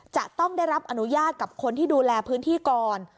จะต้องได้รับอนุญาตกับคนที่ดูแลพื้นที่ก่อน